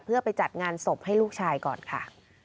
เพื่อไปจัดงานศพให้ลูกชายก่อนค่ะ